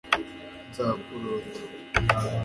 nzakurota